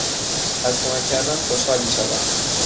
از کمک کردن خوشحال می شوم.